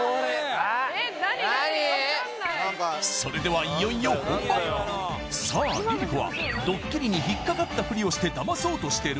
それではいよいよ本番さあＬｉＬｉＣｏはドッキリに引っ掛かったフリをしてダマそうとしてる？